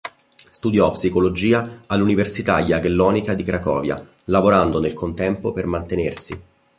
Studiò psicologia all'Università Jagellonica di Cracovia, lavorando nel contempo per mantenersi.